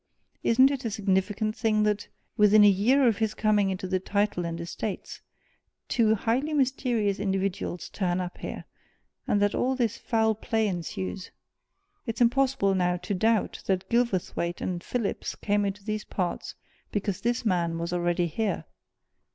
Isn't it a significant thing that, within a year of his coming into the title and estates, two highly mysterious individuals turn up here, and that all this foul play ensues? It's impossible, now, to doubt that Gilverthwaite and Phillips came into these parts because this man was already here!